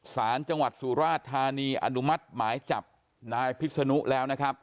สารจังหวัดสุราชธานีอนุมัติหมายจับนายพิษนุแล้วนะครับ